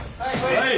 はい。